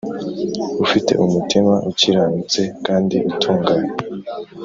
ufite umutima ukiranutse kandi utunganye